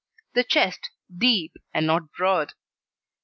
The Chest deep and not broad.